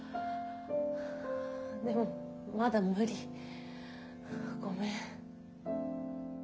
でもまだ無理ごめん。